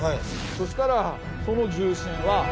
そしたらその重臣は。